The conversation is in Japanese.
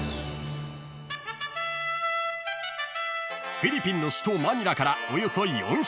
［フィリピンの首都マニラからおよそ４００ｋｍ］